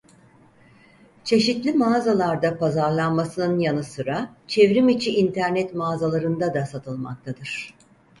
Çeşitli mağazalarda pazarlanmasının yanı sıra çevrimiçi internet mağazalarında da satılmaktadır.